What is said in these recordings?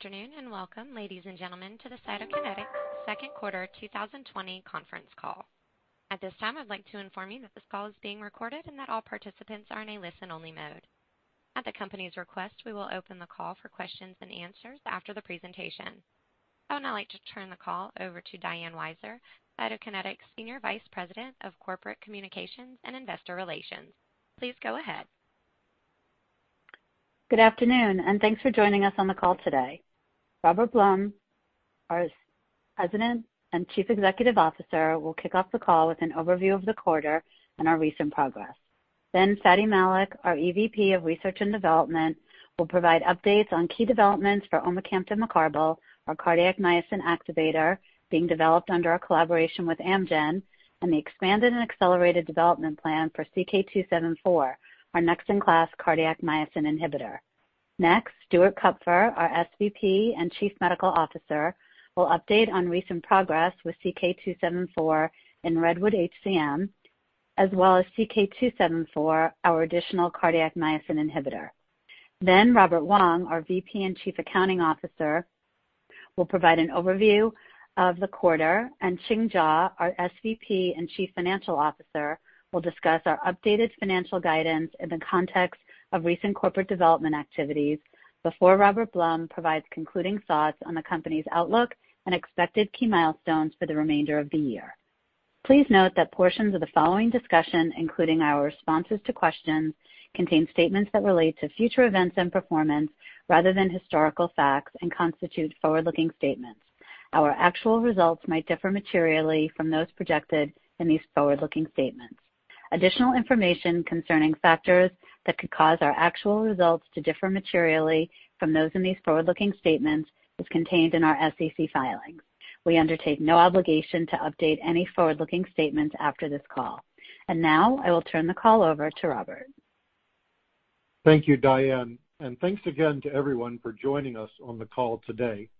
Good afternoon, and welcome, ladies and gentlemen, to the Cytokinetics second quarter 2020 conference call. At this time, I'd like to inform you that this call is being recorded and that all participants are in a listen-only mode. At the company's request, we will open the call for questions and answers after the presentation. I would now like to turn the call over to Diane Weiser, Cytokinetics Senior Vice President of Corporate Communications and Investor Relations. Please go ahead. Good afternoon. Thanks for joining us on the call today. Robert Blum, our President and Chief Executive Officer, will kick off the call with an overview of the quarter and our recent progress. Fady Malik, our EVP of Research and Development, will provide updates on key developments for omecamtiv mecarbil, our cardiac myosin activator being developed under our collaboration with Amgen, and the expanded and accelerated development plan for CK-274, our next-in-class cardiac myosin inhibitor. Stuart Kupfer, our SVP and Chief Medical Officer, will update on recent progress with CK-274 in REDWOOD-HCM, as well as CK-274, our additional cardiac myosin inhibitor. Robert Wong, our VP and Chief Accounting Officer, will provide an overview of the quarter, and Ching Jaw, our SVP and Chief Financial Officer, will discuss our updated financial guidance in the context of recent corporate development activities before Robert Blum provides concluding thoughts on the company's outlook and expected key milestones for the remainder of the year. Please note that portions of the following discussion, including our responses to questions, contain statements that relate to future events and performance rather than historical facts and constitute forward-looking statements. Our actual results might differ materially from those projected in these forward-looking statements. Additional information concerning factors that could cause our actual results to differ materially from those in these forward-looking statements is contained in our SEC filings. We undertake no obligation to update any forward-looking statements after this call. I will turn the call over to Robert. Thank you, Diane. Thanks again to everyone for joining us on the call today.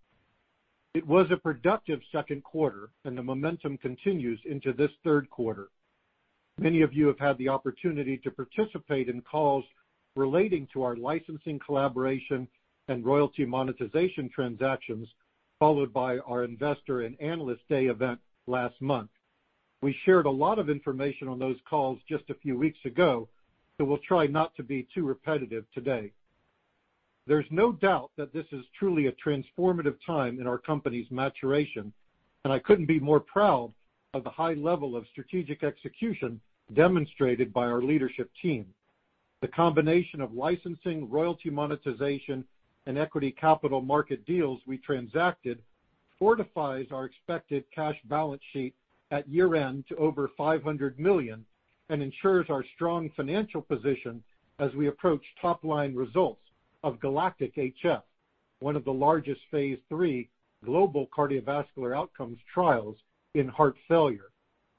It was a productive second quarter, and the momentum continues into this third quarter. Many of you have had the opportunity to participate in calls relating to our licensing collaboration and royalty monetization transactions, followed by our investor and analyst day event last month. We shared a lot of information on those calls just a few weeks ago, so we'll try not to be too repetitive today. There's no doubt that this is truly a transformative time in our company's maturation, and I couldn't be more proud of the high level of strategic execution demonstrated by our leadership team. The combination of licensing, royalty monetization, and equity capital market deals we transacted fortifies our expected cash balance sheet at year-end to over $500 million and ensures our strong financial position as we approach top-line results of GALACTIC-HF, one of the largest phase III global cardiovascular outcomes trials in heart failure,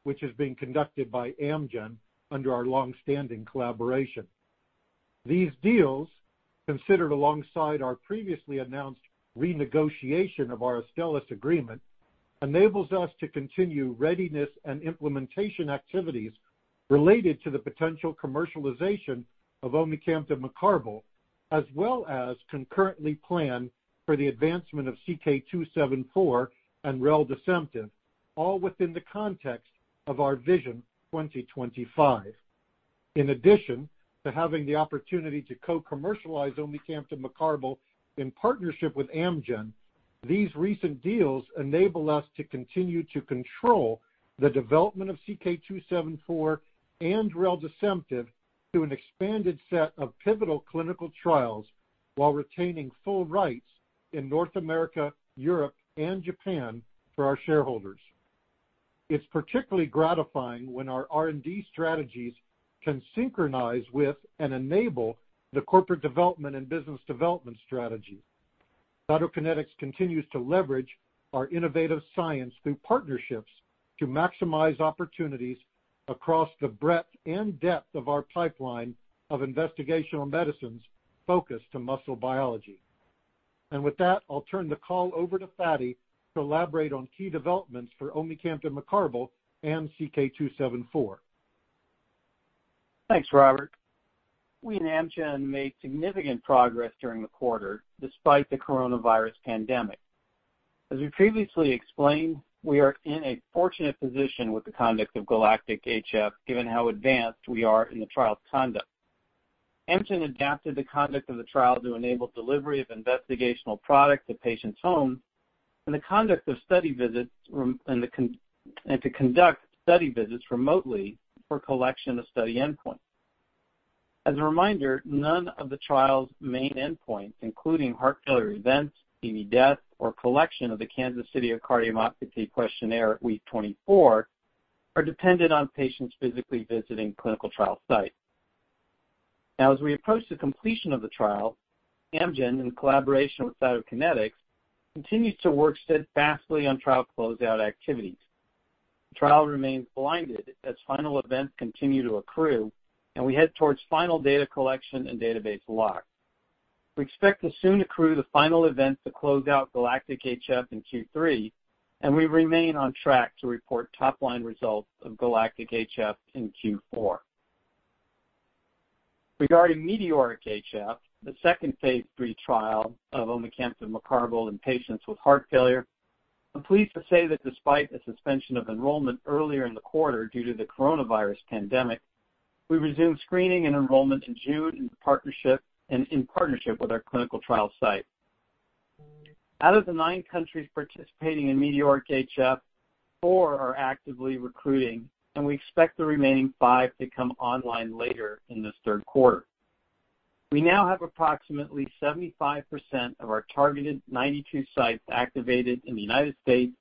which is being conducted by Amgen under our longstanding collaboration. These deals, considered alongside our previously announced renegotiation of our Astellas agreement, enables us to continue readiness and implementation activities related to the potential commercialization of omecamtiv mecarbil, as well as concurrently plan for the advancement of CK-274 and reldesemtiv, all within the context of our Vision 2025. In addition to having the opportunity to co-commercialize omecamtiv mecarbil in partnership with Amgen, these recent deals enable us to continue to control the development of CK-274 and reldesemtiv through an expanded set of pivotal clinical trials while retaining full rights in North America, Europe, and Japan for our shareholders. It's particularly gratifying when our R&D strategies can synchronize with and enable the corporate development and business development strategy. Cytokinetics continues to leverage our innovative science through partnerships to maximize opportunities across the breadth and depth of our pipeline of investigational medicines focused to muscle biology. With that, I'll turn the call over to Fady to elaborate on key developments for omecamtiv mecarbil and CK-274. Thanks, Robert. We and Amgen made significant progress during the quarter despite the coronavirus pandemic. As we previously explained, we are in a fortunate position with the conduct of GALACTIC-HF given how advanced we are in the trial's conduct. Amgen adapted the conduct of the trial to enable delivery of investigational product to patients' homes and to conduct study visits remotely for collection of study endpoints. As a reminder, none of the trial's main endpoints, including heart failure events, any death, or collection of the Kansas City Cardiomyopathy Questionnaire at week 24, are dependent on patients physically visiting clinical trial sites. Now, as we approach the completion of the trial, Amgen, in collaboration with Cytokinetics, continues to work steadfastly on trial closeout activities. The trial remains blinded as final events continue to accrue, and we head towards final data collection and database lock. We expect to soon accrue the final event to close out GALACTIC-HF in Q3, and we remain on track to report top-line results of GALACTIC-HF in Q4. Regarding METEORIC-HF, the second phase III trial of omecamtiv mecarbil in patients with heart failure, I'm pleased to say that despite the suspension of enrollment earlier in the quarter due to the coronavirus pandemic, we resumed screening and enrollment in June in partnership with our clinical trial site. Out of the nine countries participating in METEORIC-HF, four are actively recruiting, and we expect the remaining five to come online later in this third quarter. We now have approximately 75% of our targeted 92 sites activated in the United States,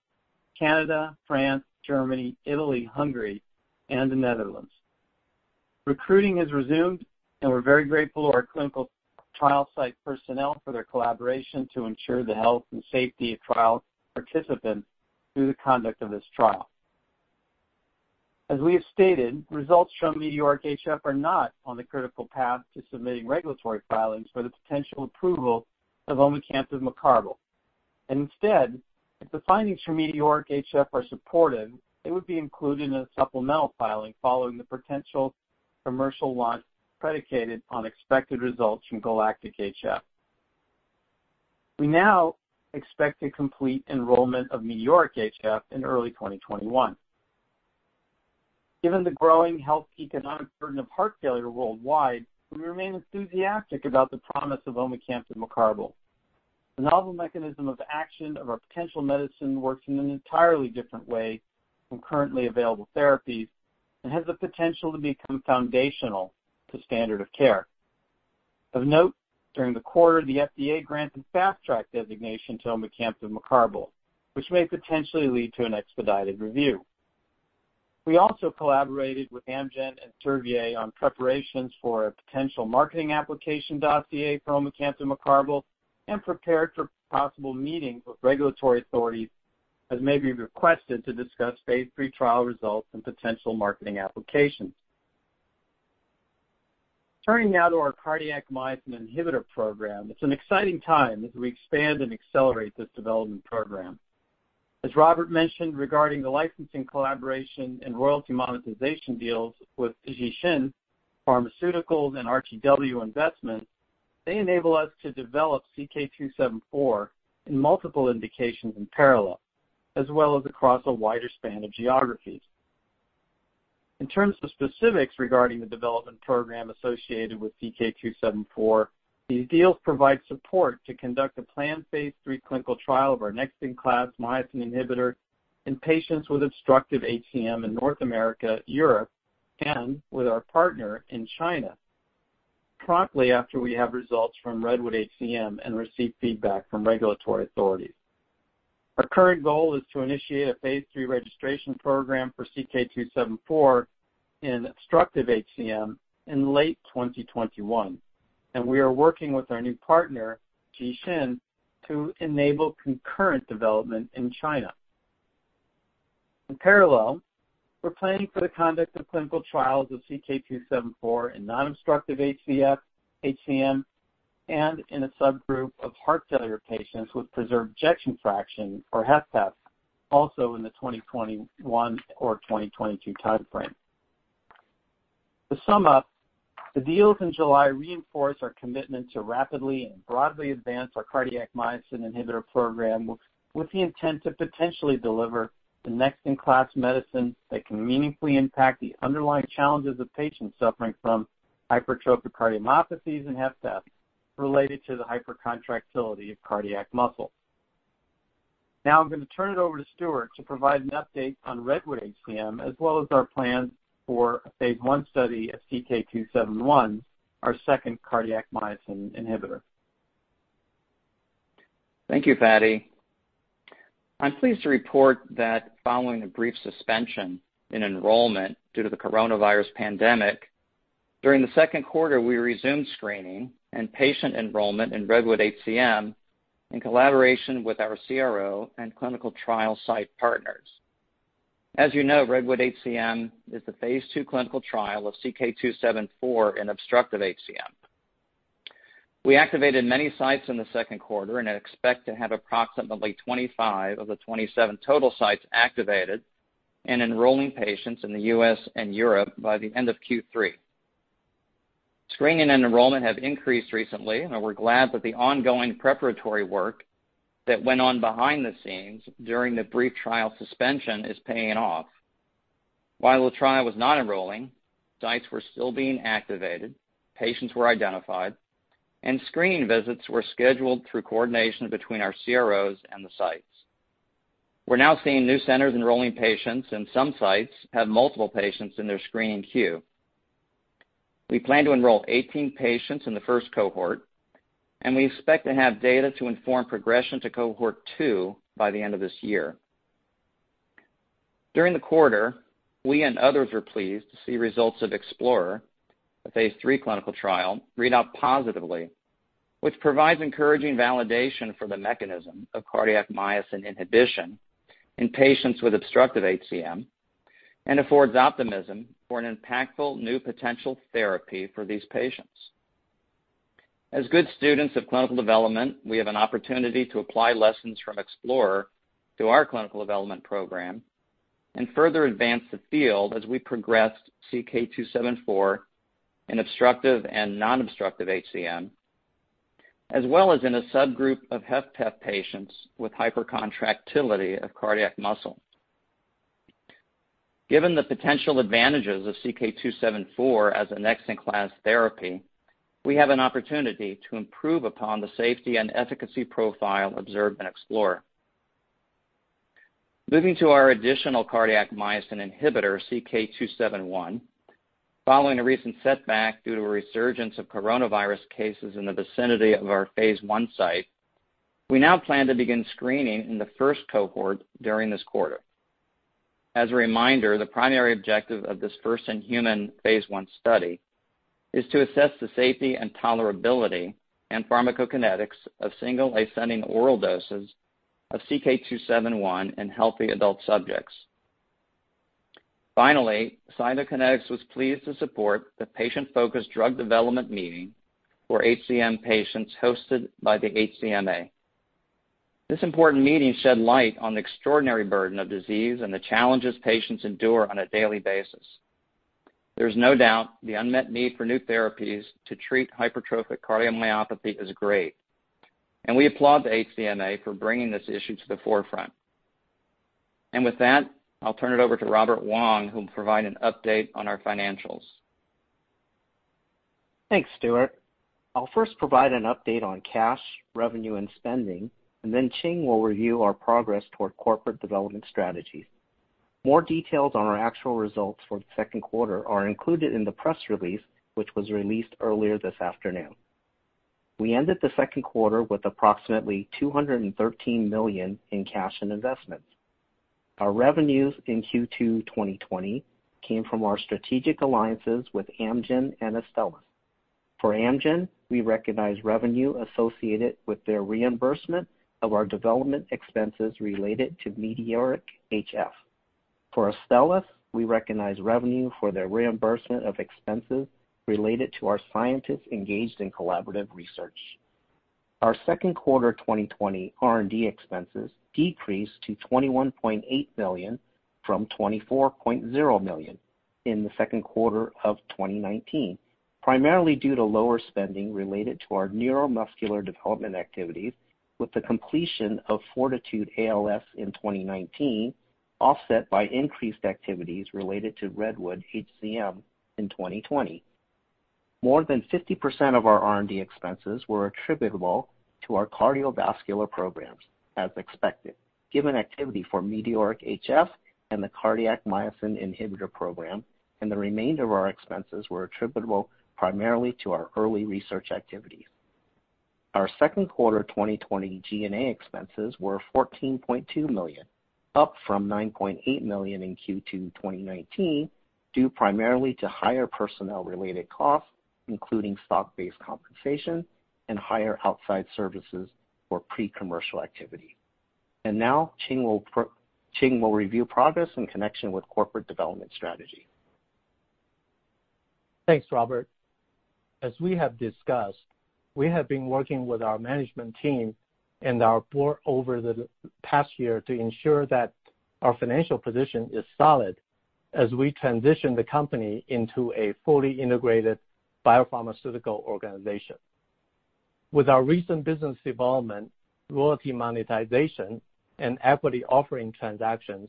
Canada, France, Germany, Italy, Hungary, and the Netherlands. Recruiting has resumed, and we're very grateful to our clinical trial site personnel for their collaboration to ensure the health and safety of trial participants through the conduct of this trial. As we have stated, results from METEORIC-HF are not on the critical path to submitting regulatory filings for the potential approval of omecamtiv mecarbil. Instead, if the findings from METEORIC-HF are supported, they would be included in a supplemental filing following the potential commercial launch predicated on expected results from GALACTIC-HF. We now expect to complete enrollment of METEORIC-HF in early 2021. Given the growing health economic burden of heart failure worldwide, we remain enthusiastic about the promise of omecamtiv mecarbil. The novel mechanism of action of our potential medicine works in an entirely different way from currently available therapies and has the potential to become foundational to standard of care. Of note, during the quarter, the FDA granted Fast Track designation to omecamtiv mecarbil, which may potentially lead to an expedited review. We also collaborated with Amgen and Servier on preparations for a potential marketing application dossier for omecamtiv mecarbil and prepared for possible meetings with regulatory authorities that may be requested to discuss phase III trial results and potential marketing applications. Turning now to our cardiac myosin inhibitor program, it's an exciting time as we expand and accelerate this development program. As Robert mentioned regarding the licensing collaboration and royalty monetization deals with Ji Xing Pharmaceuticals and RTW Investments, LP, they enable us to develop CK-274 in multiple indications in parallel, as well as across a wider span of geographies. In terms of specifics regarding the development program associated with CK-274, these deals provide support to conduct a planned phase III clinical trial of our next-in-class myosin inhibitor in patients with obstructive HCM in North America, Europe, and with our partner in China promptly after we have results from REDWOOD-HCM and receive feedback from regulatory authorities. Our current goal is to initiate a phase III registration program for CK-274 in obstructive HCM in late 2021. We are working with our new partner, Ji Xing, to enable concurrent development in China. In parallel, we're planning for the conduct of clinical trials of CK-274 in non-obstructive HCM, and in a subgroup of heart failure patients with preserved ejection fraction, or HFpEF, also in the 2021 or 2022 timeframe. To sum up, the deals in July reinforce our commitment to rapidly and broadly advance our cardiac myosin inhibitor program with the intent to potentially deliver the next-in-class medicine that can meaningfully impact the underlying challenges of patients suffering from hypertrophic cardiomyopathies and HFpEFs related to the hypercontractility of cardiac muscle. Now I'm going to turn it over to Stuart to provide an update on REDWOOD-HCM, as well as our plans for a phase I study of CK-271, our second cardiac myosin inhibitor. Thank you, Fady. I'm pleased to report that following a brief suspension in enrollment due to the coronavirus pandemic, during the second quarter, we resumed screening and patient enrollment in REDWOOD-HCM in collaboration with our CRO and clinical trial site partners. As you know, REDWOOD-HCM is the Phase II clinical trial of CK-274 in obstructive HCM. We activated many sites in the second quarter and expect to have approximately 25 of the 27 total sites activated and enrolling patients in the U.S. and Europe by the end of Q3. Screening and enrollment have increased recently, and we're glad that the ongoing preparatory work that went on behind the scenes during the brief trial suspension is paying off. While the trial was not enrolling, sites were still being activated, patients were identified, and screening visits were scheduled through coordination between our CROs and the sites. We're now seeing new centers enrolling patients, and some sites have multiple patients in their screening queue. We plan to enroll 18 patients in the first cohort, and we expect to have data to inform progression to cohort 2 by the end of this year. During the quarter, we and others were pleased to see results of EXPLORER-HCM, a Phase III clinical trial, read out positively, which provides encouraging validation for the mechanism of cardiac myosin inhibition in patients with obstructive HCM and affords optimism for an impactful new potential therapy for these patients. As good students of clinical development, we have an opportunity to apply lessons from EXPLORER-HCM through our clinical development program and further advance the field as we progress CK-274 in obstructive and non-obstructive HCM, as well as in a subgroup of HFpEF patients with hypercontractility of cardiac muscle. Given the potential advantages of CK-274 as a next-in-class therapy, we have an opportunity to improve upon the safety and efficacy profile observed in EXPLORER-HCM. Moving to our additional cardiac myosin inhibitor, CK-271. Following a recent setback due to a resurgence of coronavirus cases in the vicinity of our phase I site, we now plan to begin screening in the first cohort during this quarter. As a reminder, the primary objective of this first-in-human phase I study is to assess the safety and tolerability and pharmacokinetics of single ascending oral doses of CK-271 in healthy adult subjects. Finally, Cytokinetics was pleased to support the patient-focused drug development meeting for HCM patients hosted by the HCMA. This important meeting shed light on the extraordinary burden of disease and the challenges patients endure on a daily basis. There's no doubt the unmet need for new therapies to treat hypertrophic cardiomyopathy is great, and we applaud the HCMA for bringing this issue to the forefront. With that, I'll turn it over to Robert Wong, who will provide an update on our financials. Thanks, Stuart. I'll first provide an update on cash, revenue, and spending. Ching will review our progress toward corporate development strategies. More details on our actual results for the second quarter are included in the press release, which was released earlier this afternoon. We ended the second quarter with approximately $213 million in cash and investments. Our revenues in Q2 2020 came from our strategic alliances with Amgen and Astellas. For Amgen, we recognize revenue associated with their reimbursement of our development expenses related to METEORIC-HF. For Astellas, we recognize revenue for their reimbursement of expenses related to our scientists engaged in collaborative research. Our second quarter 2020 R&D expenses decreased to $21.8 million from $24.0 million in the second quarter of 2019, primarily due to lower spending related to our neuromuscular development activities, with the completion of FORTITUDE-ALS in 2019, offset by increased activities related to REDWOOD-HCM in 2020. More than 50% of our R&D expenses were attributable to our cardiovascular programs, as expected, given activity for METEORIC-HF and the cardiac myosin inhibitor program, and the remainder of our expenses were attributable primarily to our early research activities. Our second quarter 2020 G&A expenses were $14.2 million, up from $9.8 million in Q2 2019, due primarily to higher personnel-related costs, including stock-based compensation and higher outside services for pre-commercial activity. Now Ching Jaw will review progress in connection with corporate development strategy. Thanks, Robert. As we have discussed, we have been working with our management team and our board over the past year to ensure that our financial position is solid as we transition the company into a fully integrated biopharmaceutical organization. With our recent business involvement, royalty monetization, and equity offering transactions,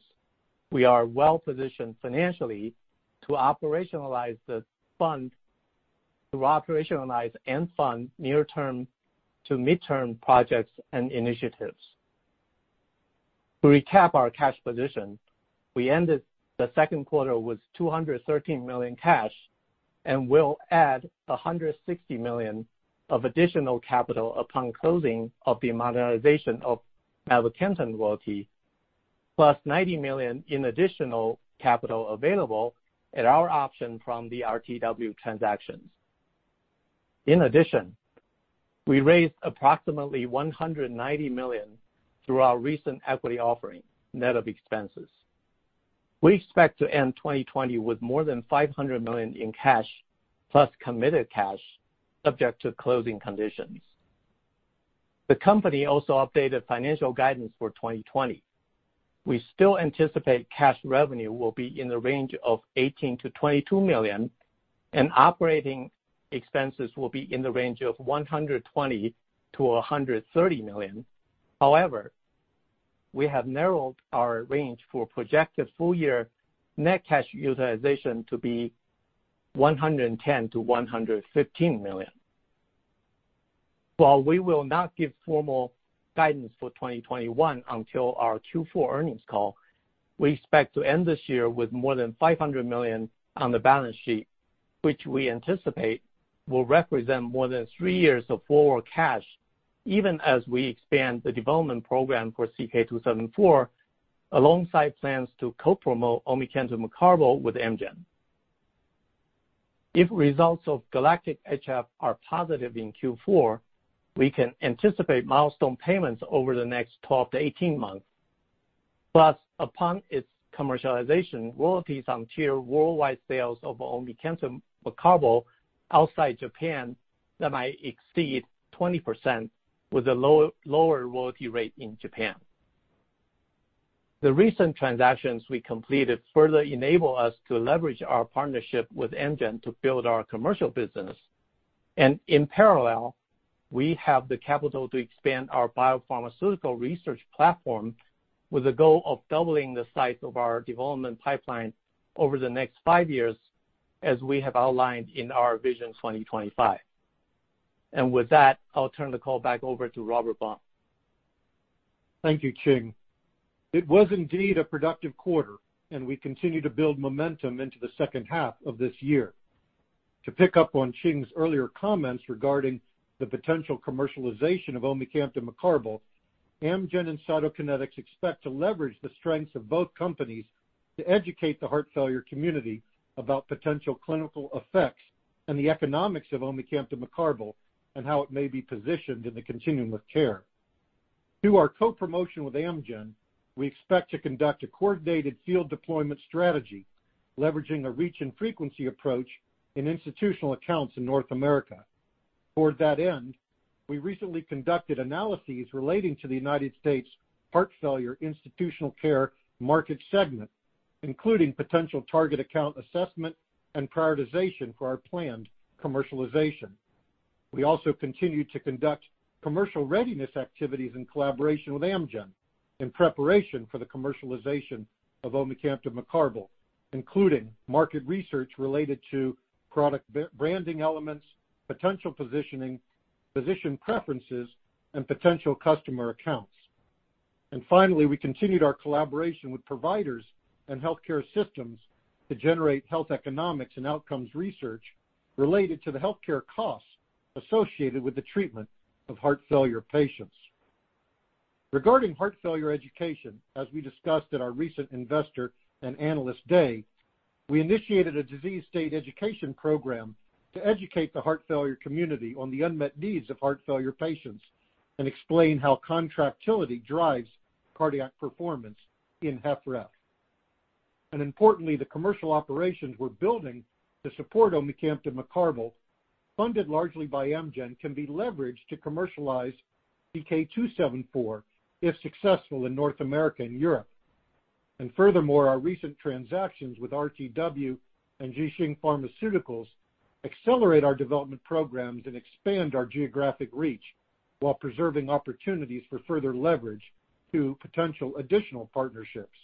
we are well-positioned financially to operationalize and fund near-term to mid-term projects and initiatives. To recap our cash position, we ended the second quarter with $213 million cash and will add $160 million of additional capital upon closing of the monetization of mavacamten royalty, plus $90 million in additional capital available at our option from the RTW transactions. In addition, we raised approximately $190 million through our recent equity offering, net of expenses. We expect to end 2020 with more than $500 million in cash plus committed cash subject to closing conditions. The company also updated financial guidance for 2020. We still anticipate cash revenue will be in the range of $18 million-$22 million, and operating expenses will be in the range of $120 million-$130 million. However, we have narrowed our range for projected full-year net cash utilization to be $110 million-$115 million. While we will not give formal guidance for 2021 until our Q4 earnings call, we expect to end this year with more than $500 million on the balance sheet, which we anticipate will represent more than three years of forward cash, even as we expand the development program for CK-274 alongside plans to co-promote omecamtiv mecarbil with Amgen. If results of GALACTIC-HF are positive in Q4, we can anticipate milestone payments over the next 12-18 months. Plus, upon its commercialization, royalties on their worldwide sales of omecamtiv mecarbil outside Japan that might exceed 20% with a lower royalty rate in Japan. The recent transactions we completed further enable us to leverage our partnership with Amgen to build our commercial business. In parallel, we have the capital to expand our biopharmaceutical research platform with the goal of doubling the size of our development pipeline over the next five years, as we have outlined in our Vision 2025. With that, I'll turn the call back over to Robert Blum. Thank you, Ching. It was indeed a productive quarter, and we continue to build momentum into the second half of this year. To pick up on Ching's earlier comments regarding the potential commercialization of omecamtiv mecarbil, Amgen and Cytokinetics expect to leverage the strengths of both companies to educate the heart failure community about potential clinical effects and the economics of omecamtiv mecarbil and how it may be positioned in the continuum of care. Through our co-promotion with Amgen, we expect to conduct a coordinated field deployment strategy leveraging a reach and frequency approach in institutional accounts in North America. Toward that end, we recently conducted analyses relating to the U.S. heart failure institutional care market segment, including potential target account assessment and prioritization for our planned commercialization. We also continue to conduct commercial readiness activities in collaboration with Amgen in preparation for the commercialization of omecamtiv mecarbil, including market research related to product branding elements, potential positioning, physician preferences, and potential customer accounts. Finally, we continued our collaboration with providers and healthcare systems to generate health economics and outcomes research related to the healthcare costs associated with the treatment of heart failure patients. Regarding heart failure education, as we discussed at our recent Investor and Analyst Day, we initiated a disease state education program to educate the heart failure community on the unmet needs of heart failure patients and explain how contractility drives cardiac performance in HFrEF. Importantly, the commercial operations we're building to support omecamtiv mecarbil, funded largely by Amgen, can be leveraged to commercialize CK-274 if successful in North America and Europe. Furthermore, our recent transactions with RTW and Ji Xing Pharmaceuticals accelerate our development programs and expand our geographic reach while preserving opportunities for further leverage through potential additional partnerships.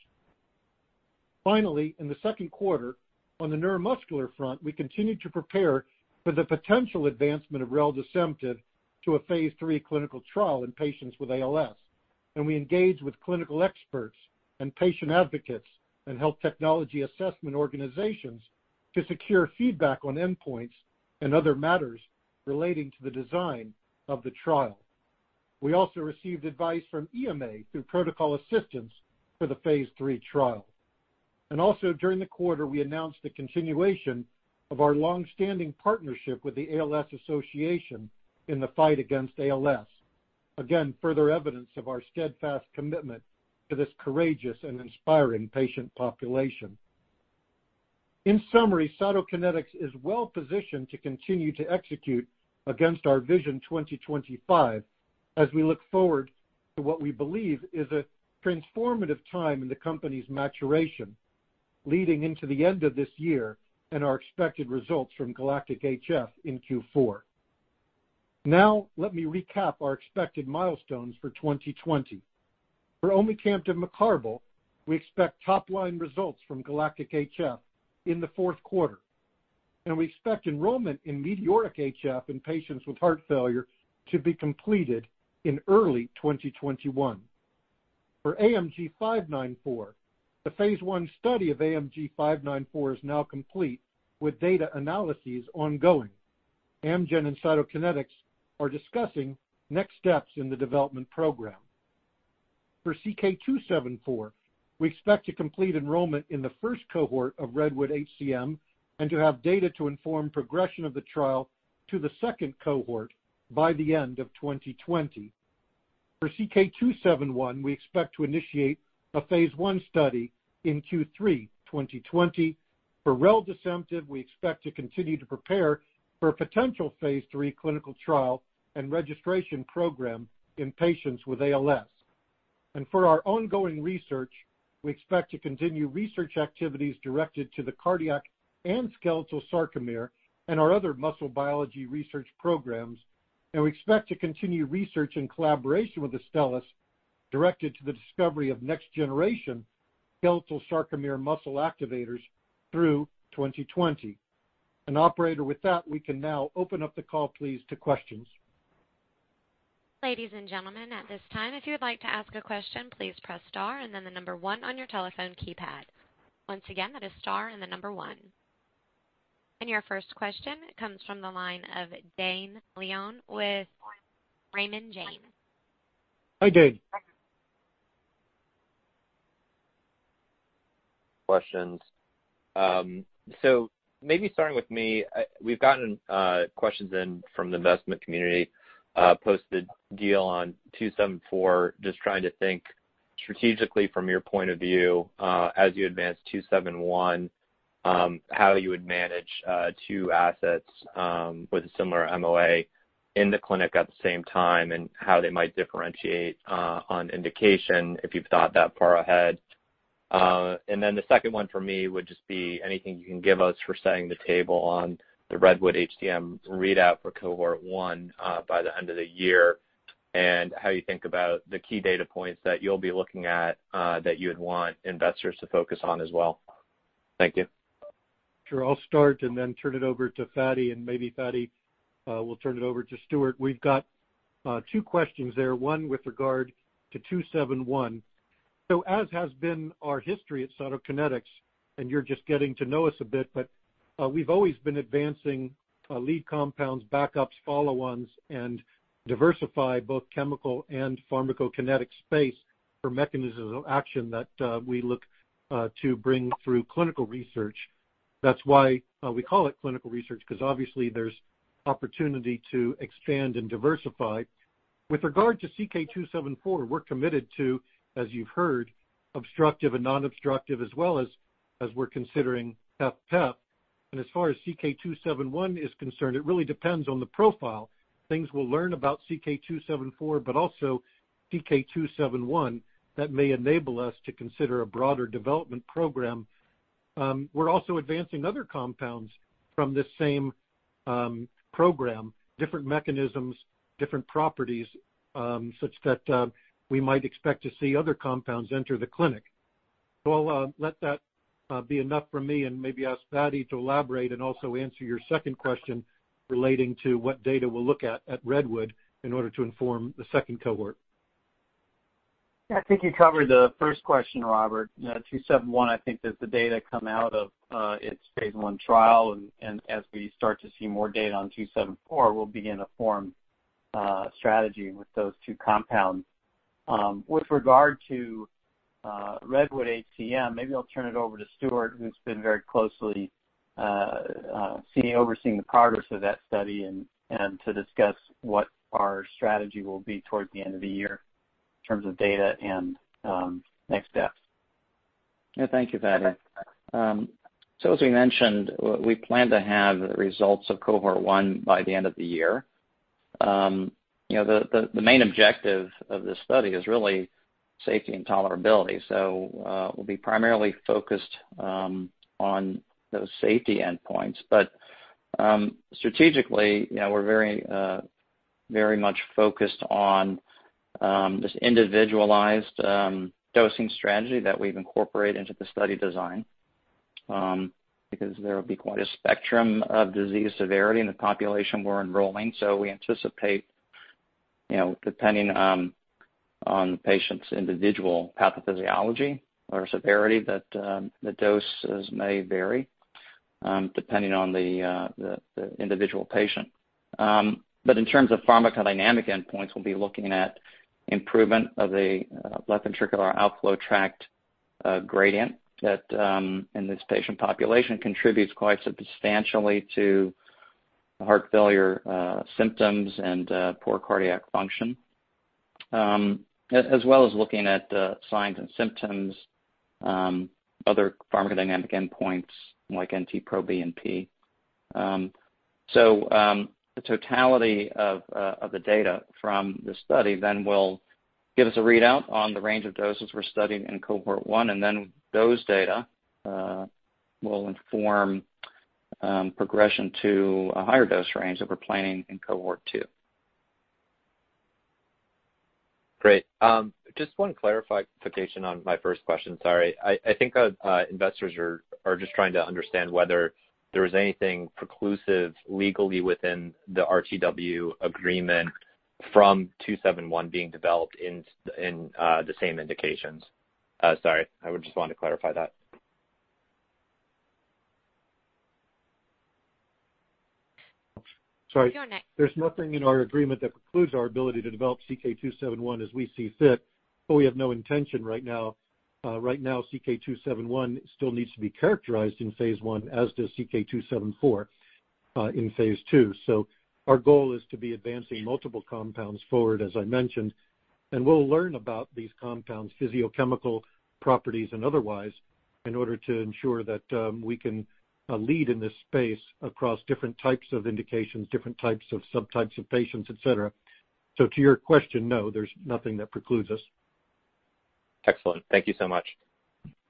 Finally, in the second quarter, on the neuromuscular front, we continued to prepare for the potential advancement of reldesemtiv to a phase III clinical trial in patients with ALS, and we engaged with clinical experts and patient advocates and health technology assessment organizations to secure feedback on endpoints and other matters relating to the design of the trial. We also received advice from EMA through protocol assistance for the phase III trial. Also during the quarter, we announced the continuation of our longstanding partnership with the ALS Association in the fight against ALS. Again, further evidence of our steadfast commitment to this courageous and inspiring patient population. In summary, Cytokinetics is well positioned to continue to execute against our Vision 2025 as we look forward to what we believe is a transformative time in the company's maturation leading into the end of this year and our expected results from GALACTIC-HF in Q4. Let me recap our expected milestones for 2020. For omecamtiv mecarbil, we expect top-line results from GALACTIC-HF in the fourth quarter. We expect enrollment in METEORIC-HF in patients with heart failure to be completed in early 2021. For AMG 594, the phase I study of AMG 594 is now complete with data analyses ongoing. Amgen and Cytokinetics are discussing next steps in the development program. For CK-274, we expect to complete enrollment in the first cohort of REDWOOD-HCM and to have data to inform progression of the trial to the second cohort by the end of 2020. For CK-271, we expect to initiate a phase I study in Q3 2020. For reldesemtiv, we expect to continue to prepare for a potential phase III clinical trial and registration program in patients with ALS. For our ongoing research, we expect to continue research activities directed to the cardiac and skeletal sarcomere and our other muscle biology research programs. We expect to continue research in collaboration with Astellas directed to the discovery of next-generation skeletal sarcomere muscle activators through 2020. Operator, with that, we can now open up the call please to questions. Ladies and gentlemen, at this time, if you would like to ask a question, please press star and then the number one on your telephone keypad. Once again, that is star and the number one. Your first question comes from the line of Dane Leone with Raymond James. Hi, Dane. Questions. Maybe starting with me, we've gotten questions in from the investment community, post-deal on CK-274, just trying to think strategically from your point of view, as you advance CK-271, how you would manage two assets, with a similar MOA in the clinic at the same time, and how they might differentiate, on indication, if you've thought that far ahead. The second one for me would just be anything you can give us for setting the table on the REDWOOD-HCM readout for cohort 1, by the end of the year, and how you think about the key data points that you'll be looking at, that you would want investors to focus on as well. Thank you. Sure. I'll start and then turn it over to Fady, and maybe Fady will turn it over to Stuart. We've got two questions there, one with regard to 271. As has been our history at Cytokinetics, and you're just getting to know us a bit, but we've always been advancing lead compounds, backups, follow-ons, and diversify both chemical and pharmacokinetic space for mechanisms of action that we look to bring through clinical research. That's why we call it clinical research, because obviously there's opportunity to expand and diversify. With regard to CK 274, we're committed to, as you've heard, obstructive and non-obstructive as well as we're considering HFpEF. As far as CK 271 is concerned, it really depends on the profile. Things we'll learn about CK-274, also CK-271 that may enable us to consider a broader development program. We're also advancing other compounds from this same program, different mechanisms, different properties, such that we might expect to see other compounds enter the clinic. I'll let that be enough for me and maybe ask Fady to elaborate and also answer your second question relating to what data we'll look at at REDWOOD in order to inform the second cohort. Yeah. I think you covered the first question, Robert. 271, I think that the data come out of its phase I trial and as we start to see more data on 274, we'll begin to form a strategy with those two compounds. With regard to REDWOOD-HCM, maybe I'll turn it over to Stuart, who's been very closely, overseeing the progress of that study and to discuss what our strategy will be towards the end of the year in terms of data and next steps. Yeah. Thank you, Fady. As we mentioned, we plan to have the results of cohort 1 by the end of the year. The main objective of this study is really safety and tolerability. We'll be primarily focused on those safety endpoints. Strategically, we're very much focused on this individualized dosing strategy that we've incorporated into the study design, because there will be quite a spectrum of disease severity in the population we're enrolling. We anticipate, depending on the patient's individual pathophysiology or severity, that the doses may vary depending on the individual patient. In terms of pharmacodynamic endpoints, we'll be looking at improvement of the left ventricular outflow tract gradient that, in this patient population, contributes quite substantially to heart failure symptoms and poor cardiac function, as well as looking at signs and symptoms, other pharmacodynamic endpoints like NT-proBNP. The totality of the data from this study then will give us a readout on the range of doses we're studying in cohort 1. Those data will inform progression to a higher dose range that we're planning in cohort 2. Great. Just one clarification on my first question, sorry. I think investors are just trying to understand whether there is anything preclusive legally within the RTW agreement from 271 being developed in the same indications. Sorry, I just wanted to clarify that. Sorry. Your next- There's nothing in our agreement that precludes our ability to develop CK-271 as we see fit, we have no intention right now. Right now, CK-271 still needs to be characterized in phase I as does CK-274, in phase II. Our goal is to be advancing multiple compounds forward, as I mentioned, and we'll learn about these compounds' physiochemical properties and otherwise in order to ensure that we can lead in this space across different types of indications, different types of subtypes of patients, et cetera. To your question, no, there's nothing that precludes us. Excellent. Thank you so much.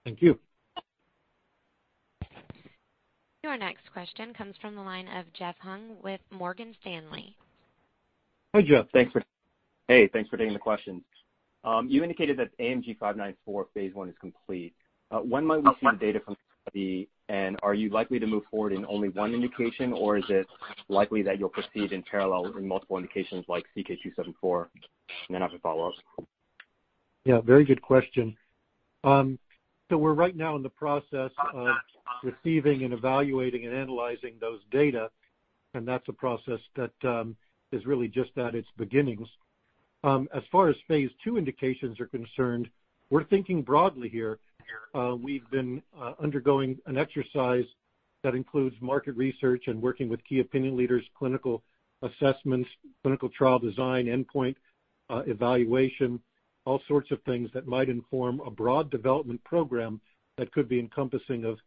Thank you. Your next question comes from the line of Jeff Hung with Morgan Stanley. Hi, Jeff. Thanks for- Hey, thanks for taking the questions. You indicated that AMG 594 phase I is complete. When might we see the data from the study, and are you likely to move forward in only one indication, or is it likely that you'll proceed in parallel in multiple indications like CK-274? I have a follow-up. Yeah. Very good question. We're right now in the process of receiving and evaluating and analyzing those data, and that's a process that is really just at its beginnings. As far as phase II indications are concerned, we're thinking broadly here. We've been undergoing an exercise that includes market research and working with key opinion leaders, clinical assessments, clinical trial design, endpoint evaluation, all sorts of things that might inform a broad development program that could be encompassing of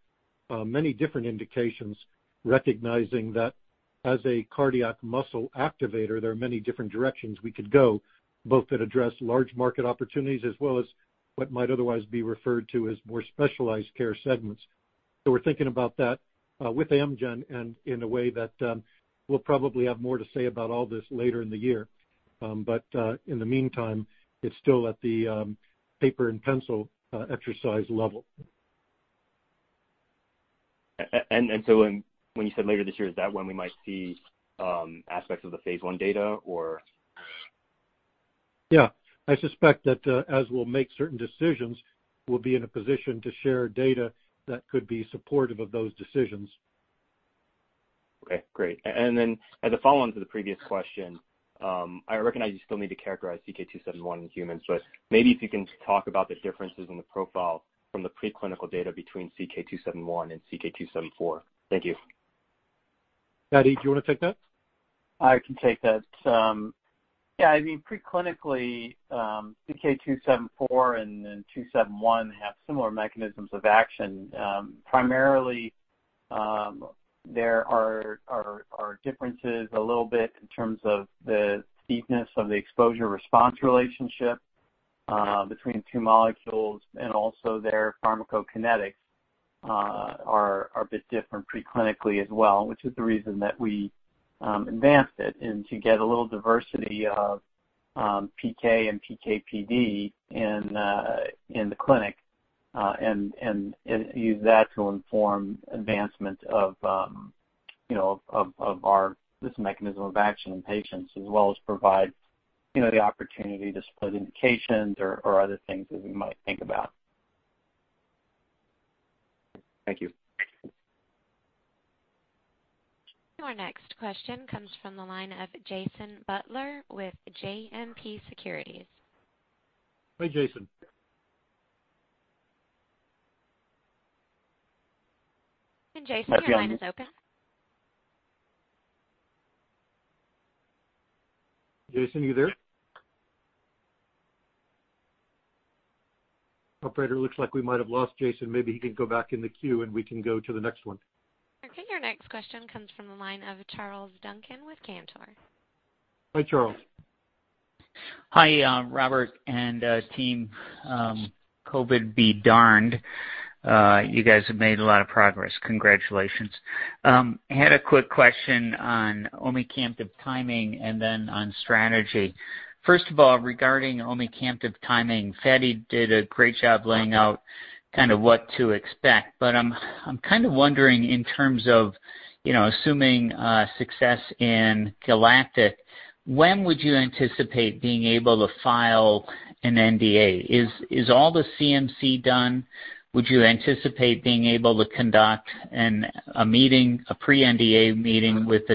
many different indications, recognizing that as a cardiac myosin activator, there are many different directions we could go, both that address large market opportunities as well as what might otherwise be referred to as more specialized care segments. We're thinking about that with Amgen and in a way that we'll probably have more to say about all this later in the year. In the meantime, it's still at the paper and pencil exercise level. When you said later this year, is that when we might see aspects of the phase I data or? Yeah. I suspect that as we'll make certain decisions, we'll be in a position to share data that could be supportive of those decisions. Okay, great. As a follow-on to the previous question, I recognize you still need to characterize CK-271 in humans, but maybe if you can talk about the differences in the profile from the preclinical data between CK-271 and CK-274? Thank you. Fady, do you want to take that? I can take that. Yeah, preclinically, CK-274 and then CK-271 have similar mechanisms of action. Primarily, there are differences a little bit in terms of the steepness of the exposure-response relationship between two molecules and also their pharmacokinetics are a bit different preclinically as well, which is the reason that we advanced it and to get a little diversity of PK and PK/PD in the clinic, and use that to inform advancement of this mechanism of action in patients as well as provide the opportunity to split indications or other things that we might think about. Thank you. Our next question comes from the line of Jason Butler with JMP Securities. Hi, Jason. Jason. Hi, Jason your line is open. Jason, you there? Operator, looks like we might have lost Jason. Maybe he can go back in the queue, and we can go to the next one. Okay, your next question comes from the line of Charles Duncan with Cantor. Hi, Charles. Hi, Robert and team. COVID be darned. You guys have made a lot of progress. Congratulations. I had a quick question on omecamtiv timing and then on strategy. First of all, regarding omecamtiv timing, Fady did a great job laying out kind of what to expect, but I'm kind of wondering in terms of assuming success in GALACTIC, when would you anticipate being able to file an NDA? Is all the CMC done? Would you anticipate being able to conduct a pre-NDA meeting with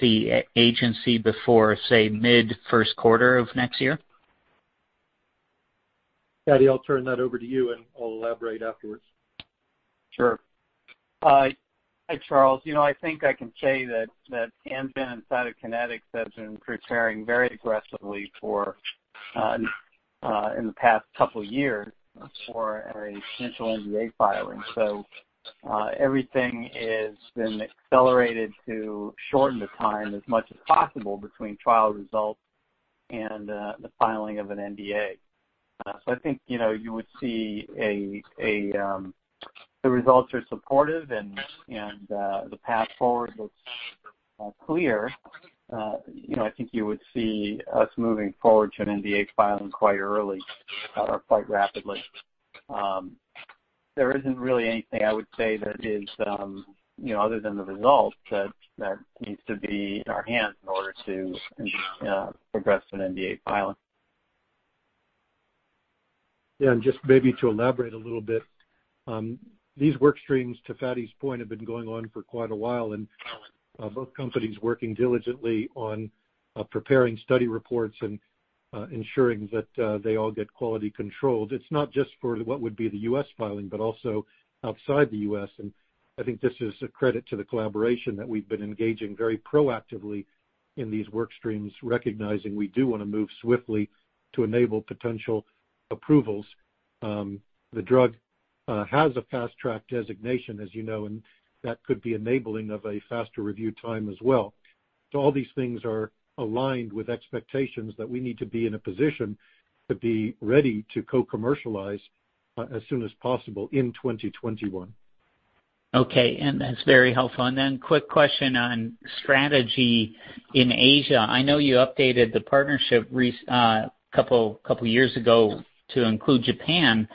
the agency before, say, mid first quarter of next year? Fady, I'll turn that over to you, and I'll elaborate afterwards. Sure. Hi, Charles. I think I can say that Amgen and Cytokinetics have been preparing very aggressively in the past couple of years for a potential NDA filing. Everything has been accelerated to shorten the time as much as possible between trial results and the filing of an NDA. I think you would see if the results are supportive and the path forward looks clear, I think you would see us moving forward to an NDA filing quite early or quite rapidly. There isn't really anything I would say that is, other than the results, that needs to be in our hands in order to progress an NDA filing. Yeah, just maybe to elaborate a little bit. These work streams, to Fady's point, have been going on for quite a while, and both companies working diligently on preparing study reports and ensuring that they all get quality controlled. It's not just for what would be the U.S. filing, but also outside the U.S., and I think this is a credit to the collaboration that we've been engaging very proactively in these work streams, recognizing we do want to move swiftly to enable potential approvals. The drug has a Fast Track designation, as you know, and that could be enabling of a faster review time as well. All these things are aligned with expectations that we need to be in a position to be ready to co-commercialize as soon as possible in 2021. Okay, that's very helpful. Quick question on strategy in Asia. I know you updated the partnership a couple years ago to include Japan,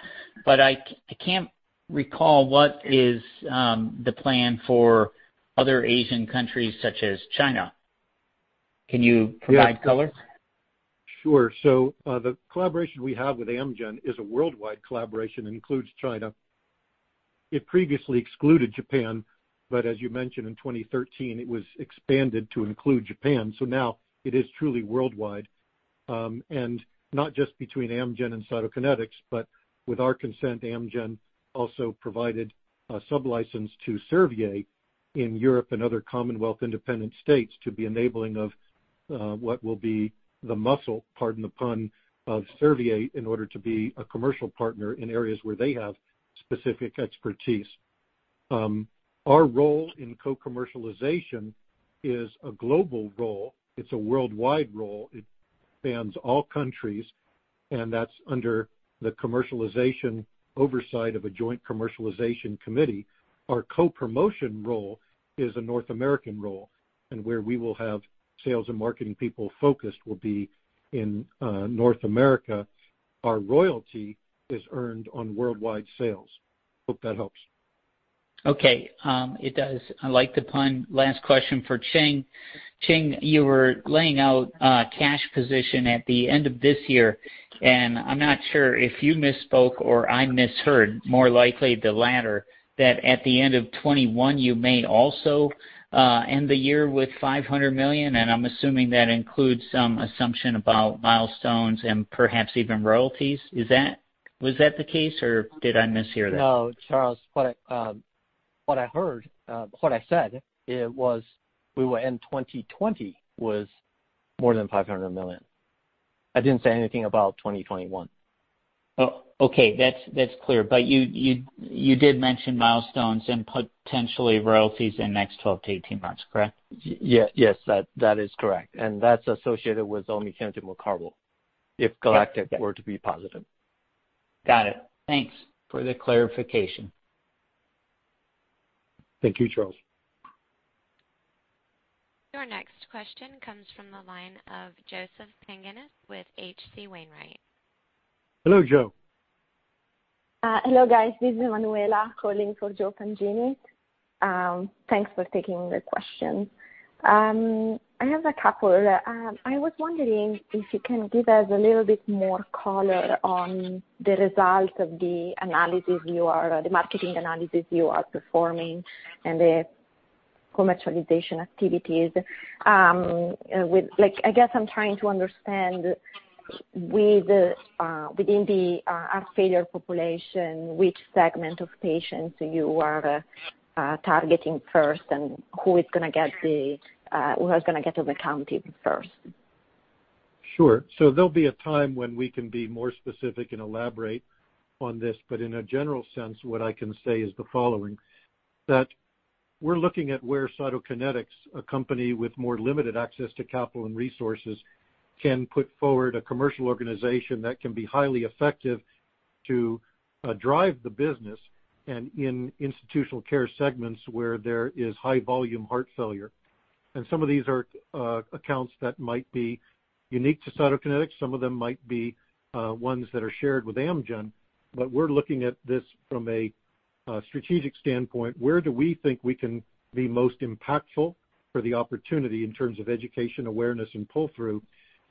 but I can't recall what is the plan for other Asian countries such as China. Can you provide color? Sure. The collaboration we have with Amgen is a worldwide collaboration and includes China. It previously excluded Japan, but as you mentioned, in 2013, it was expanded to include Japan, now it is truly worldwide. Not just between Amgen and Cytokinetics, but with our consent, Amgen also provided a sub-license to Servier in Europe and other Commonwealth of Independent States to be enabling of what will be the muscle, pardon the pun, of Servier in order to be a commercial partner in areas where they have specific expertise. Our role in co-commercialization is a global role. It's a worldwide role. It spans all countries, and that's under the commercialization oversight of a joint commercialization committee. Our co-promotion role is a North American role, and where we will have sales and marketing people focused will be in North America. Our royalty is earned on worldwide sales. Hope that helps. Okay. It does. I like the pun. Last question for Ching. Ching, you were laying out cash position at the end of this year. I'm not sure if you misspoke or I misheard, more likely the latter, that at the end of 2021, you may also end the year with $500 million, and I'm assuming that includes some assumption about milestones and perhaps even royalties. Was that the case, or did I mishear that? No, Charles, what I said it was, we will end 2020 was more than $500 million. I didn't say anything about 2021. Oh, okay. That's clear. You did mention milestones and potentially royalties in the next 12-18 months, correct? Yes. That is correct. That's associated with omecamtiv mecarbil. Yes if GALACTIC were to be positive. Got it. Thanks for the clarification. Thank you, Charles. Your next question comes from the line of Joseph Pantginis with H.C. Wainwright. Hello, Joe. Hello, guys. This is Emmanuela calling for Joe Pantginis. Thanks for taking the question. I have a couple. I was wondering if you can give us a little bit more color on the results of the marketing analysis you are performing and the commercialization activities. I guess I'm trying to understand within the heart failure population, which segment of patients you are targeting first and who is going to get to the company first. Sure. There'll be a time when we can be more specific and elaborate on this, but in a general sense, what I can say is the following, that we're looking at where Cytokinetics, a company with more limited access to capital and resources, can put forward a commercial organization that can be highly effective to drive the business and in institutional care segments where there is high volume heart failure. Some of these are accounts that might be unique to Cytokinetics. Some of them might be ones that are shared with Amgen. We're looking at this from a strategic standpoint. Where do we think we can be most impactful for the opportunity in terms of education, awareness, and pull-through,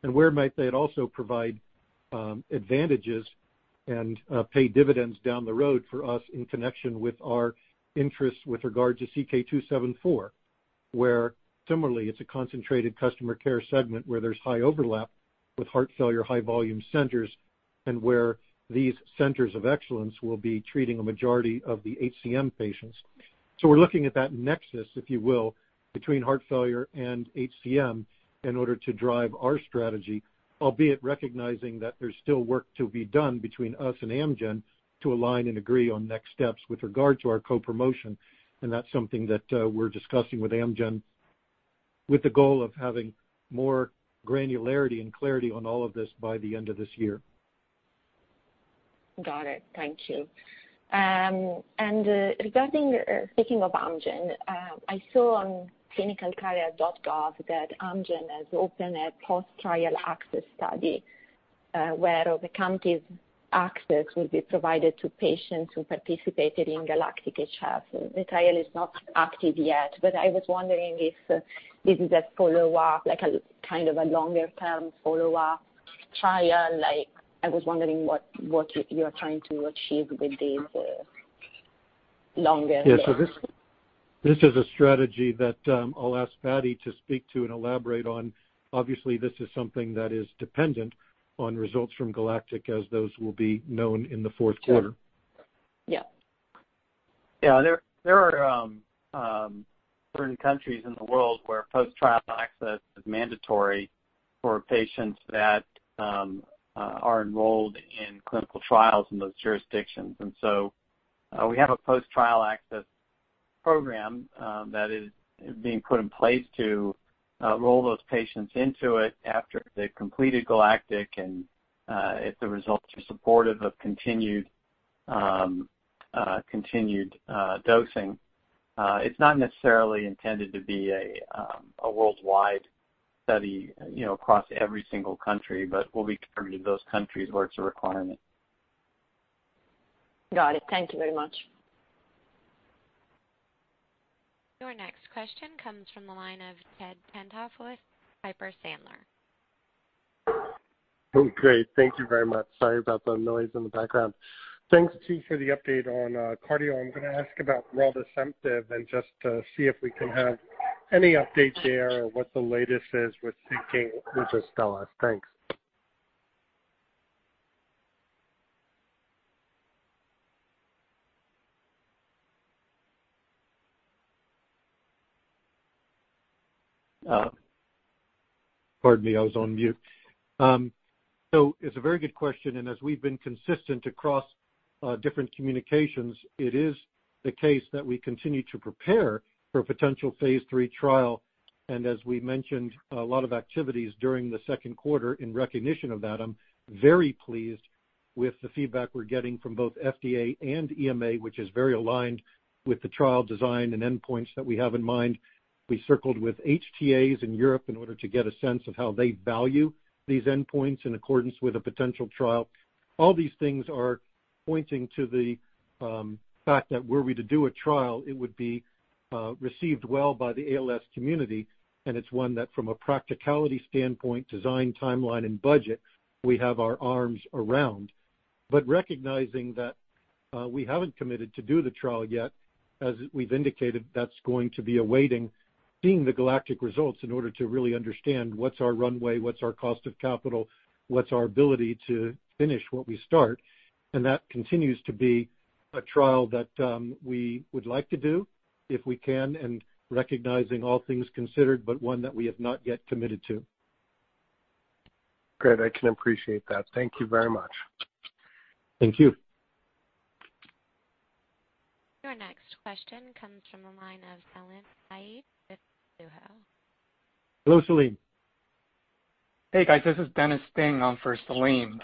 and where might that also provide advantages and pay dividends down the road for us in connection with our interests with regard to CK-274? Where similarly, it's a concentrated customer care segment where there's high overlap with heart failure high volume centers, and where these centers of excellence will be treating a majority of the HCM patients. We're looking at that nexus, if you will, between heart failure and HCM in order to drive our strategy, albeit recognizing that there's still work to be done between us and Amgen to align and agree on next steps with regard to our co-promotion, and that's something that we're discussing with Amgen with the goal of having more granularity and clarity on all of this by the end of this year. Got it. Thank you. Speaking of Amgen, I saw on clinicaltrials.gov that Amgen has opened a post-trial access study, where the company's access will be provided to patients who participated in GALACTIC-HF. The trial is not active yet, I was wondering if this is a follow-up, like a kind of a longer-term follow-up trial. I was wondering what you're trying to achieve with this longer-term. Yeah. This is a strategy that I'll ask Fady to speak to and elaborate on. Obviously, this is something that is dependent on results from GALACTIC as those will be known in the fourth quarter. Yeah. Yeah. There are certain countries in the world where post-trial access is mandatory for patients that are enrolled in clinical trials in those jurisdictions. We have a post-trial access program that is being put in place to enroll those patients into it after they've completed GALACTIC and if the results are supportive of continued dosing. It's not necessarily intended to be a worldwide study across every single country, but will be to those countries where it's a requirement. Got it. Thank you very much. Your next question comes from the line of Ted Tenthoff with Piper Sandler. Great. Thank you very much. Sorry about the noise in the background. Thanks to you for the update on cardio. I'm going to ask about reldesemtiv and just to see if we can have any update there or what the latest is with thinking with Astellas. Thanks. Pardon me, I was on mute. It's a very good question, and as we've been consistent across different communications, it is the case that we continue to prepare for a potential phase III trial. As we mentioned, a lot of activities during the second quarter in recognition of that. I'm very pleased with the feedback we're getting from both FDA and EMA, which is very aligned with the trial design and endpoints that we have in mind. We circled with HTAs in Europe in order to get a sense of how they value these endpoints in accordance with a potential trial. All these things are pointing to the fact that were we to do a trial, it would be received well by the ALS community, and it's one that from a practicality standpoint, design timeline, and budget, we have our arms around. Recognizing that we haven't committed to do the trial yet, as we've indicated, that's going to be awaiting seeing the GALACTIC results in order to really understand what's our runway, what's our cost of capital, what's our ability to finish what we start. That continues to be a trial that we would like to do if we can, and recognizing all things considered, but one that we have not yet committed to. Great. I can appreciate that. Thank you very much. Thank you. Your next question comes from the line of Salim Syed with Mizuho. Hello, Salim. Hey, guys. This is Dennis sitting in for Salim.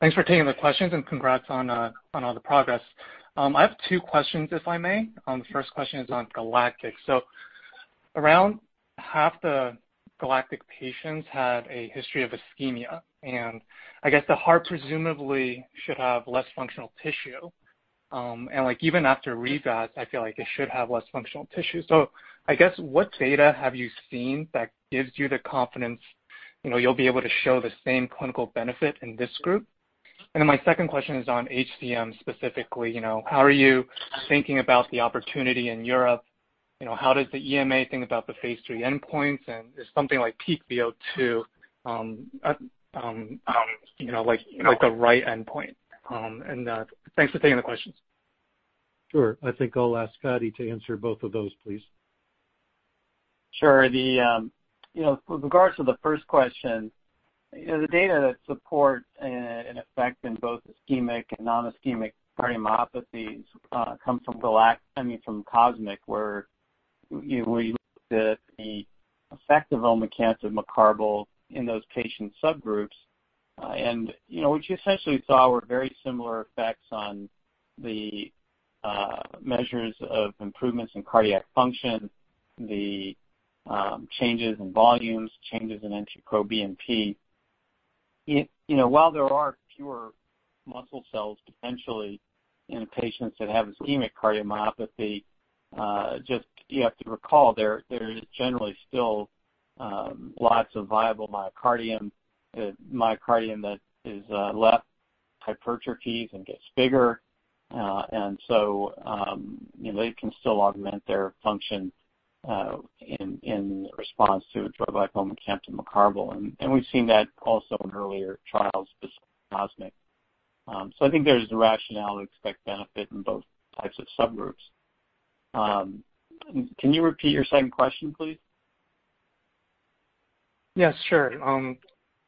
Thanks for taking the questions and congrats on all the progress. I have two questions, if I may. The first question is on GALACTIC. Around half the GALACTIC patients had a history of ischemia, and I guess the heart presumably should have less functional tissue. Even after revas, I feel like it should have less functional tissue. I guess, what data have you seen that gives you the confidence you'll be able to show the same clinical benefit in this group? My second question is on HCM specifically. How are you thinking about the opportunity in Europe? How does the EMA think about the phase III endpoints? Is something like peak VO2, like a right endpoint? Thanks for taking the questions. Sure. I think I'll ask Scotty to answer both of those, please. Sure. With regards to the first question, the data that supports an effect in both ischemic and non-ischemic cardiomyopathies comes from COSMIC, where we looked at the effect of omecamtiv mecarbil in those patient subgroups. What you essentially saw were very similar effects on the measures of improvements in cardiac function, the changes in volumes, changes in NT-proBNP. While there are fewer muscle cells potentially in patients that have ischemic cardiomyopathy, just you have to recall, there is generally still lots of viable myocardium. Myocardium that is left hypertrophied and gets bigger. They can still augment their function in response to a drug like omecamtiv mecarbil. We've seen that also in earlier trials besides COSMIC. I think there's the rationale to expect benefit in both types of subgroups. Can you repeat your second question, please? Yes, sure.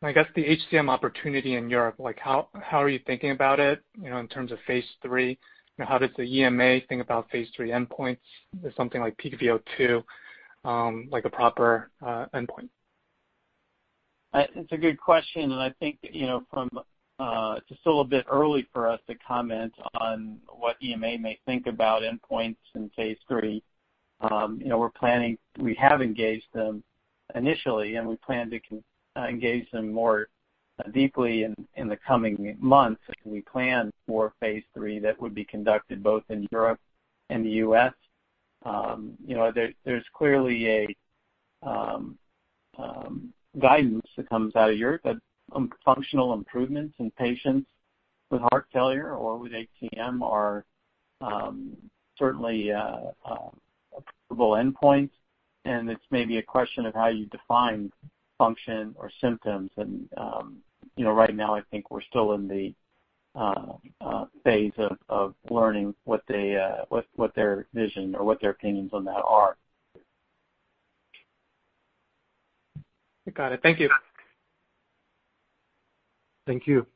I guess the HCM opportunity in Europe, how are you thinking about it, in terms of phase III? How does the EMA think about phase III endpoints? Is something like peak VO2 a proper endpoint? It's a good question, and I think it's still a bit early for us to comment on what EMA may think about endpoints in phase III. We have engaged them initially, and we plan to engage them more deeply in the coming months as we plan for phase III that would be conducted both in Europe and the U.S. There's clearly a guidance that comes out of Europe that functional improvements in patients with heart failure or with HCM are certainly applicable endpoints, and it's maybe a question of how you define function or symptoms. Right now, I think we're still in the phase of learning what their vision or what their opinions on that are. Got it. Thank you. Thank you.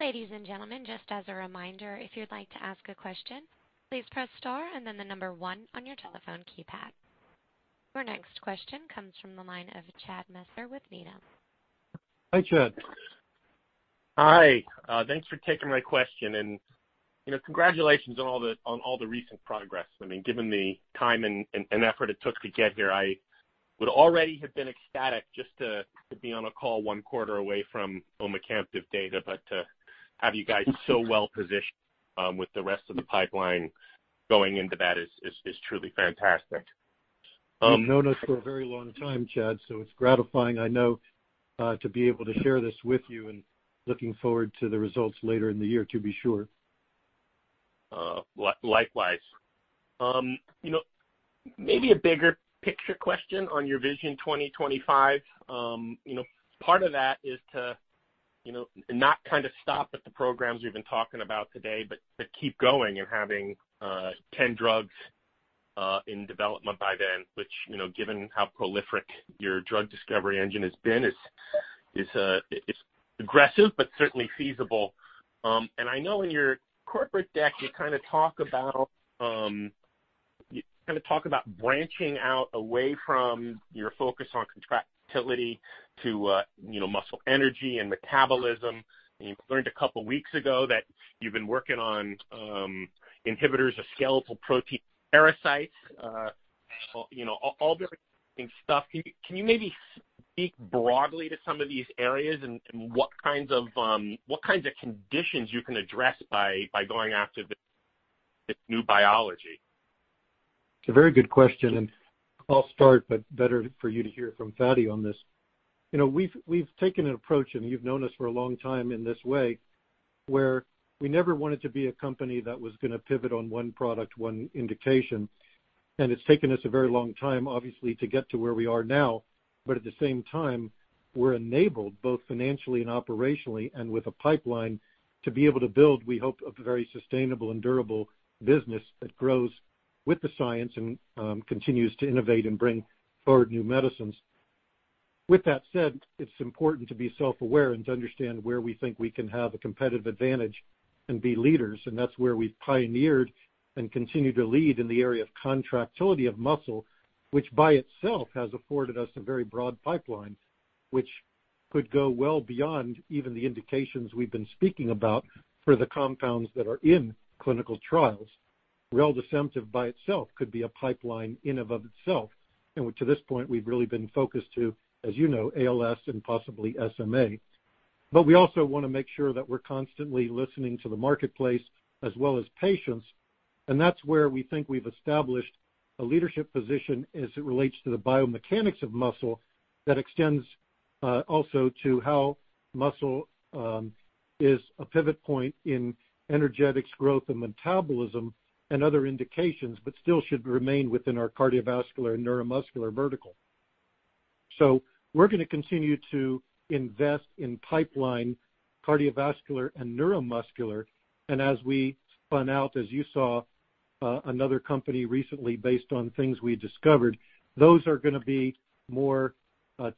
Ladies and gentlemen, just as a reminder, if you'd like to ask a question, please press star and then the number 1 on your telephone keypad. Your next question comes from the line of Chad Messer with Needham. Hi, Chad. Hi. Thanks for taking my question, and congratulations on all the recent progress. Given the time and effort it took to get here, I would already have been ecstatic just to be on a call one quarter away from omecamtiv data, but to have you guys so well-positioned with the rest of the pipeline going into that is truly fantastic. You've known us for a very long time, Chad, so it's gratifying, I know, to be able to share this with you, and looking forward to the results later in the year, to be sure. Likewise. Maybe a bigger picture question on your Vision 2025. Part of that is to not stop at the programs you've been talking about today, but to keep going and having 10 drugs in development by then, which, given how prolific your drug discovery engine has been, is aggressive, but certainly feasible. I know in your corporate deck, you talk about branching out away from your focus on contractility to muscle energy and metabolism. We learned a couple of weeks ago that you've been working on inhibitors of skeletal protein parasites. All different stuff. Can you maybe speak broadly to some of these areas and what kinds of conditions you can address by going after this new biology? It's a very good question, and I'll start, but better for you to hear from Fady on this. We've taken an approach, and you've known us for a long time in this way, where we never wanted to be a company that was going to pivot on one product, one indication. It's taken us a very long time, obviously, to get to where we are now. At the same time, we're enabled, both financially and operationally and with a pipeline, to be able to build, we hope, a very sustainable and durable business that grows with the science and continues to innovate and bring forward new medicines. With that said, it's important to be self-aware and to understand where we think we can have a competitive advantage and be leaders. That's where we've pioneered and continue to lead in the area of contractility of muscle, which by itself has afforded us a very broad pipeline, which could go well beyond even the indications we've been speaking about for the compounds that are in clinical trials. reldesemtiv by itself could be a pipeline in and of itself. To this point, we've really been focused to, as you know, ALS and possibly SMA. We also want to make sure that we're constantly listening to the marketplace as well as patients, and that's where we think we've established a leadership position as it relates to the biomechanics of muscle that extends also to how muscle is a pivot point in energetics growth and metabolism and other indications, but still should remain within our cardiovascular and neuromuscular vertical. We're going to continue to invest in pipeline cardiovascular and neuromuscular, and as we spun out, as you saw another company recently based on things we discovered, those are going to be more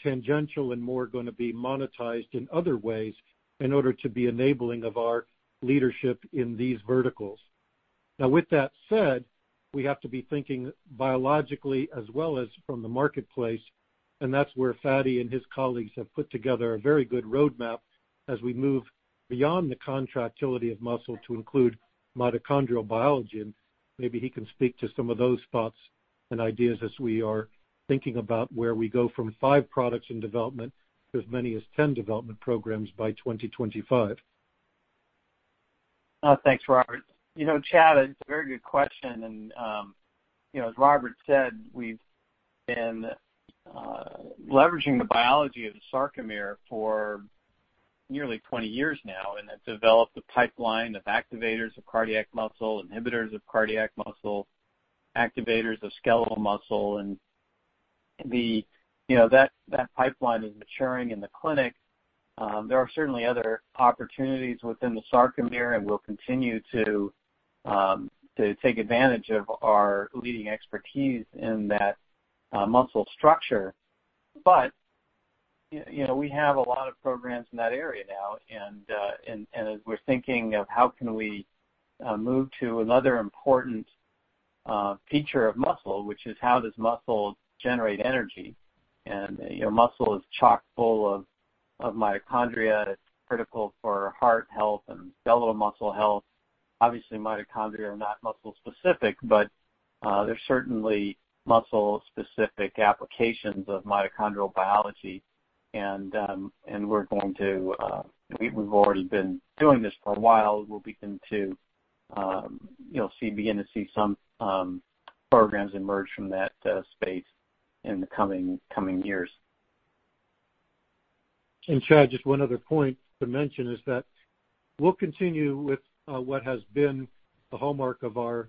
tangential and more going to be monetized in other ways in order to be enabling of our leadership in these verticals. Now, with that said, we have to be thinking biologically as well as from the marketplace, and that's where Fady and his colleagues have put together a very good roadmap as we move beyond the contractility of muscle to include mitochondrial biology, and maybe he can speak to some of those thoughts and ideas as we are thinking about where we go from five products in development to as many as 10 development programs by 2025. Thanks, Robert. Chad, it's a very good question, and as Robert said, we've been leveraging the biology of the sarcomere for nearly 20 years now and have developed a pipeline of activators of cardiac muscle, inhibitors of cardiac muscle, activators of skeletal muscle, and that pipeline is maturing in the clinic. There are certainly other opportunities within the sarcomere, and we'll continue to take advantage of our leading expertise in that muscle structure. We have a lot of programs in that area now, and as we're thinking of how can we move to another important feature of muscle, which is how does muscle generate energy. Muscle is chock-full of mitochondria. It's critical for heart health and skeletal muscle health. Obviously, mitochondria are not muscle specific, but there's certainly muscle-specific applications of mitochondrial biology, and we've already been doing this for a while. We'll begin to see some programs emerge from that space in the coming years. Chad, just one other point to mention is that we'll continue with what has been the hallmark of our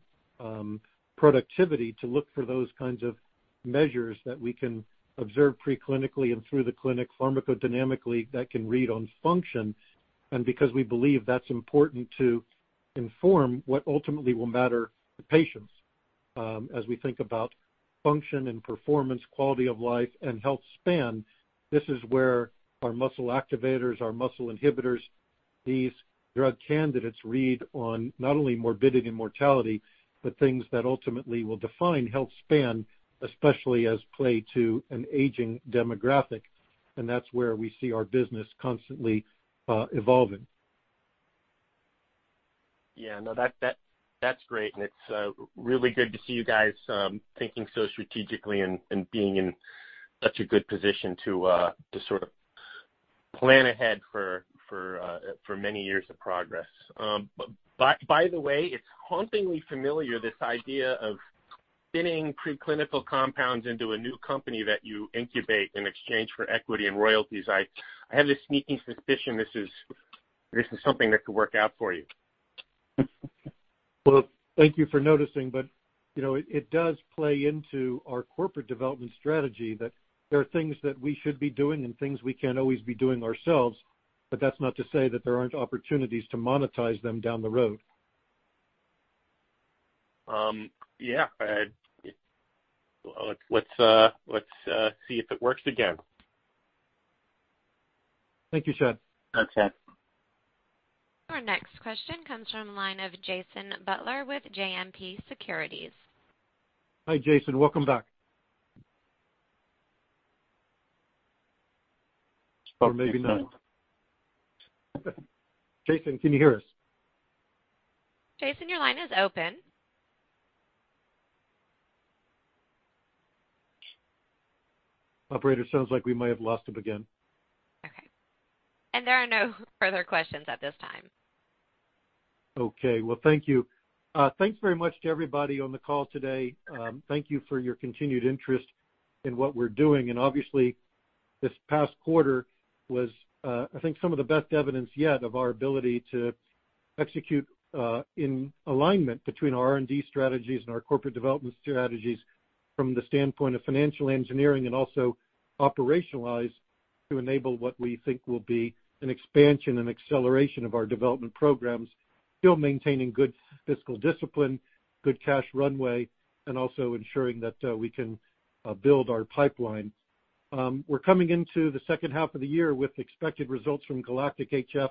productivity to look for those kinds of measures that we can observe pre-clinically and through the clinic pharmacodynamically that can read on function. Because we believe that's important to inform what ultimately will matter to patients. As we think about function and performance, quality of life, and health span, this is where our muscle activators, our muscle inhibitors, these drug candidates read on not only morbidity and mortality, but things that ultimately will define health span, especially as play to an aging demographic, and that's where we see our business constantly evolving. Yeah. No, that's great. It's really good to see you guys thinking so strategically and being in such a good position to plan ahead for many years of progress. By the way, it's hauntingly familiar, this idea of spinning preclinical compounds into a new company that you incubate in exchange for equity and royalties. I have this sneaking suspicion this is something that could work out for you. Well, thank you for noticing, but it does play into our corporate development strategy that there are things that we should be doing and things we can't always be doing ourselves, but that's not to say that there aren't opportunities to monetize them down the road. Yeah. Let's see if it works again. Thank you, Chad. Okay. Our next question comes from the line of Jason Butler with JMP Securities. Hi, Jason. Welcome back. Maybe not. Jason, can you hear us? Jason, your line is open. Operator, sounds like we might have lost him again. Okay. There are no further questions at this time. Okay. Well, thank you. Thanks very much to everybody on the call today. Thank you for your continued interest in what we're doing. Obviously, this past quarter was I think some of the best evidence yet of our ability to execute in alignment between our R&D strategies and our corporate development strategies from the standpoint of financial engineering, and also operationalize to enable what we think will be an expansion and acceleration of our development programs, still maintaining good fiscal discipline, good cash runway, and also ensuring that we can build our pipeline. We're coming into the second half of the year with expected results from GALACTIC-HF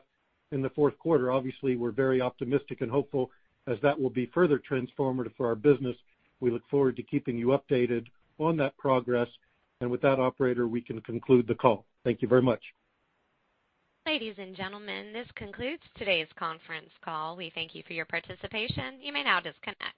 in the fourth quarter. Obviously, we're very optimistic and hopeful as that will be further transformative for our business. We look forward to keeping you updated on that progress. With that, operator, we can conclude the call. Thank you very much. Ladies and gentlemen, this concludes today's conference call. We thank you for your participation. You may now disconnect.